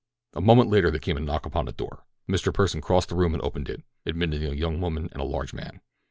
A moment later there came a knock upon the door. Mr. Pursen crossed the room and opened it, admitting a young woman and a large man.